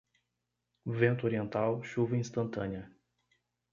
Vento oriental, chuva instantânea.